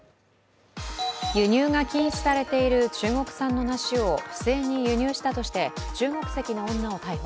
輸入が禁止されている中国産の梨を不正に輸入したとして中国籍の女を逮捕。